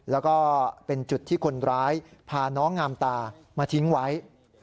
แล้วก็เป็นจุดที่คนร้ายพาน้องงามตามาทิ้งไว้